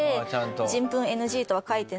「人糞ＮＧ」とは書いてないので。